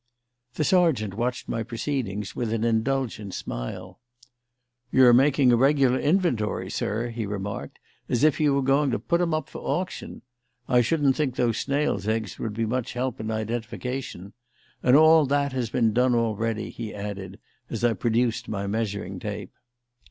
The sergeant watched my proceedings with an indulgent smile. "You're making a regular inventory, sir," he remarked, "as if you were going to put 'em up for auction. I shouldn't think those snails' eggs would be much help in identification. And all that has been done already," he added as I produced my measuring tape.